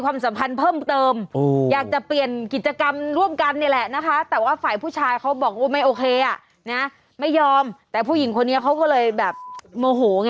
คือมาตามโลเคชันที่ส่งให้ถึงที่เลยจริง